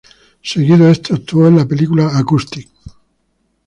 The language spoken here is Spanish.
Seguido a esto, actuó en la película "Acoustic".